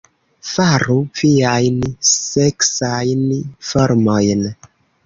Faru viajn seksajn formojn